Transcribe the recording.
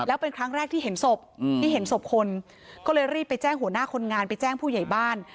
แล้วเป็นครั้งแรกที่เห็นศพที่เห็นศพคนก็เลยรีบไปแจ้งหัวหน้าคนงานไปแจ้งผู้ใหญ่บ้าน